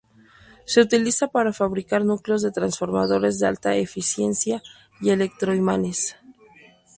Se utiliza para fabricar núcleos de transformadores de alta eficiencia y electroimanes.